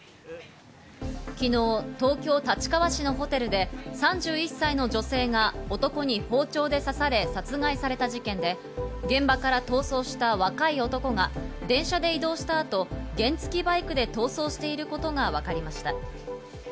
昨日、東京・立川市のホテルで３１歳の女性が男に包丁で刺され殺害された事件で、現場から逃走した若い男が電車で移動した後、原付きバイクで逃走していることがわかりました。